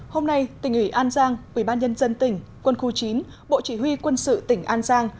hôm nay tỉnh ủy an giang quỹ ban nhân dân tỉnh quân khu chín bộ chỉ huy quân sự tỉnh an giang